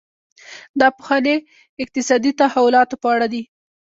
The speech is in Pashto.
دا پوهنې اقتصادي تحولاتو په اړه دي.